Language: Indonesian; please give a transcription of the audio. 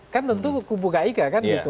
kan tentu kupu kaika kan gitu